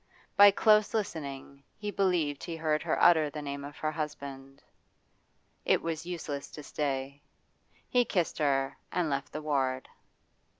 By close listening he believed he heard her utter the name of her husband. It was useless to stay; he kissed her and left the ward.